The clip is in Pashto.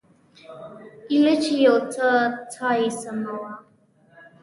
ايله چې يو څه ساه يې سمه وه.